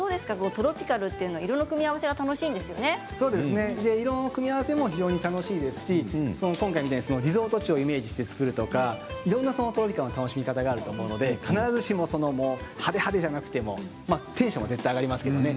トロピカルというのはいろいろな組み合わせが色の組み合わせも楽しいですし今回、リゾート地をイメージして作るとかいろいろな楽しみ方があると思うので必ずしも派手派手ではなくてもテンションは絶対に上がりますけれどもね